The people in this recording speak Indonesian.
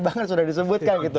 bangan sudah disebutkan